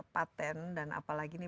patent dan apalagi ini